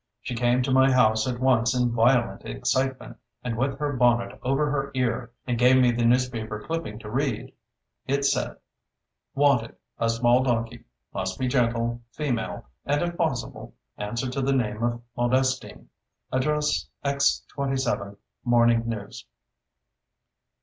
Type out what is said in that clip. She came to my house at once in violent excitement and with her bonnet over her ear, and gave me the newspaper clipping to read. It said: "WANTED: A small donkey. Must be gentle, female, and if possible answer to the name of Modestine. Address X 27, Morning News."